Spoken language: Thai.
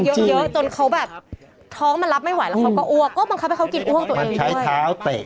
จนเขาแบบท้องมันรับไม่ไหวแล้วเขาก็อ้วกก็บังคับให้เขากินอ้วกตัวเองด้วย